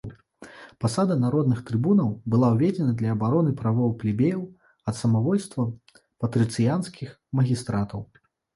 Пасада народных трыбунаў была ўведзена для абароны правоў плебеяў ад самавольства патрыцыянскіх магістратаў.